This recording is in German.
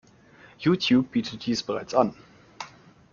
Youtube bietet dies bereits an.